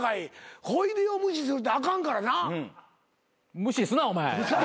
無視すなお前。